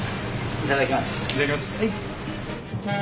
いただきます。